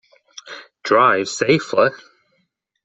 Drive safely!